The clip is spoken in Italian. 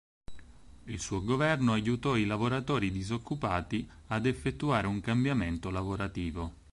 Il suo governo aiutò i lavoratori disoccupati ad effettuare un cambiamento lavorativo.